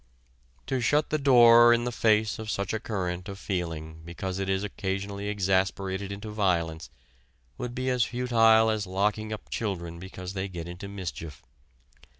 To shut the door in the face of such a current of feeling because it is occasionally exasperated into violence would be as futile as locking up children because they get into mischief.